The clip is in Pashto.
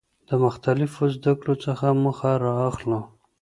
د مختلفو زده کړو څخه موخه را اخلو.